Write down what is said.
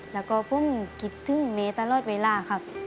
แล้วก็ผมคิดถึงเมย์ตลอดเวลาครับ